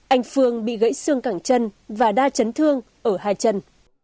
anh phương bị gãy xương cản chân và đa chấn thương ở hai chân